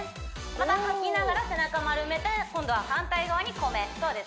また吐きながら背中丸めて今度は反対側に米そうです